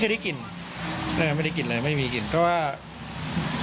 เพราะที่ยังมีกระโหลกศีรษะด้วย